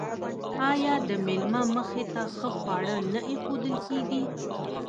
آیا د میلمه مخې ته ښه خواړه نه ایښودل کیږي؟